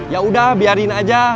yaudah biarin aja